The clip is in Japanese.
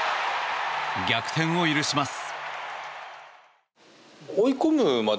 逆転を許します。